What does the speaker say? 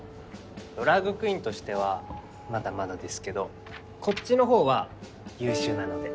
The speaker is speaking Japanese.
ドラァグクイーンとしてはまだまだですけどこっちの方は優秀なので。